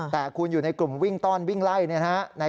แต่คุณอยู่ในกลุ่มวิ่งต้อนวิ่งไล่